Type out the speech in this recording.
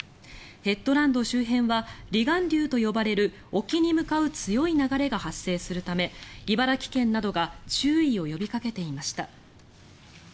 ヘッドランド周辺は離岸流と呼ばれる沖に向かう強い流れが発生するため茨城県などが注意を呼びかけていました。